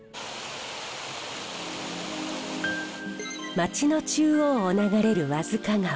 町の中央を流れる和束川。